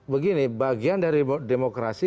begini bagian dari demokrasi